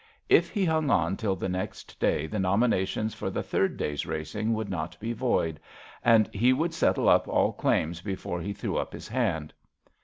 If he hung on till the next day the nominations for the third day^s racing would not be void, and he would settle up all claims before he threw up his hand.